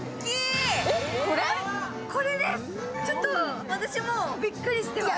ちょっと私、もうびっくりしてます。